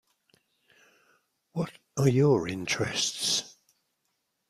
What are your interests?